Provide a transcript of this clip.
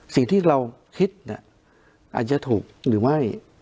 สิ่งที่เราคิดอาจจะถูกหรือไม่